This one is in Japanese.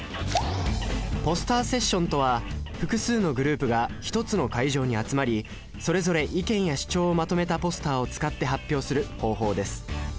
ポスターセッションとは複数のグループが一つの会場に集まりそれぞれ意見や主張をまとめたポスターを使って発表する方法です